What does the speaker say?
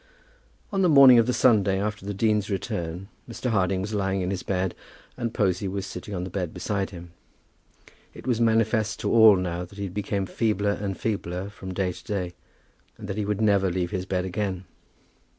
On the morning of the Sunday after the dean's return Mr. Harding was lying in his bed, and Posy was sitting on the bed beside him. It was manifest to all now that he became feebler and feebler from day to day, and that he would never leave his bed again.